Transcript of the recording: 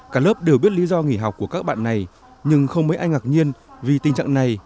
cả lớp đều biết lý do nghỉ học của các bạn này nhưng không mấy ai ngạc nhiên vì tình trạng này